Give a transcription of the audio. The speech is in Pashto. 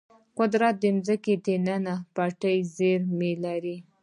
قدرت د ځمکې دننه پټې زیرمې لري.